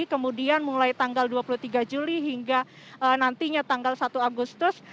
kemudian mulai tanggal dua puluh tiga juli hingga nantinya tanggal satu agustus